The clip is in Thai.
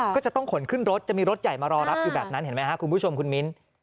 ก็จะต้องขนขึ้นรถจะมีรถใหญ่มารอรับอยู่แบบนั้นเห็นไหมครับคุณผู้ชมคุณมิ้น